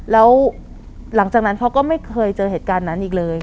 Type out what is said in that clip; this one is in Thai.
แล้วหลังจากนั้นเขาก็ไม่เคยเจอเหตุการณ์นั้นอีกเลย